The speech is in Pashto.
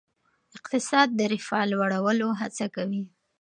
اقتصاد د رفاه لوړولو هڅه کوي.